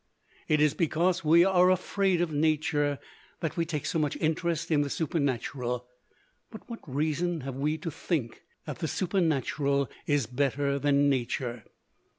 It is because we are afraid of Nature that we take so much interest in the Supernatural. But what reason have we to think that the Supernatural is better than Nature?